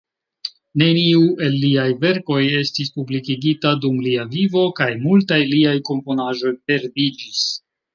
Neniu el liaj verkoj estis publikigita dum lia vivo, kaj multaj liaj komponaĵoj perdiĝis.